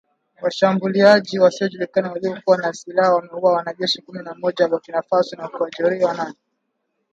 Washambuliaji wasiojulikana waliokuwa na silaha wamewaua wanajeshi kumi na moja wa Burkina Faso na kuwajeruhi wanane